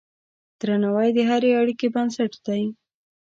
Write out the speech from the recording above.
درناوی د هرې اړیکې بنسټ دی.